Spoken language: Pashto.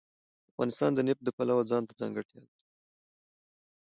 افغانستان د نفت د پلوه ځانته ځانګړتیا لري.